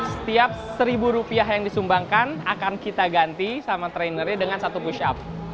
setiap seribu rupiah yang disumbangkan akan kita ganti sama trainernya dengan satu push up